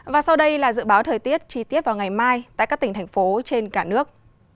và sau đây là dự báo thời tiết chi tiết vào ngày mai tại các tỉnh thành phố trên cả nước